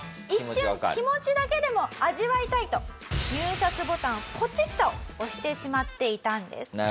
一瞬気持ちだけでも味わいたいと入札ボタンをポチッと押してしまっていたんです。